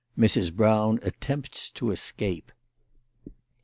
MRS. BROWN ATTEMPTS TO ESCAPE.